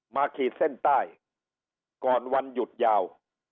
ขีดเส้นใต้ก่อนวันหยุดยาว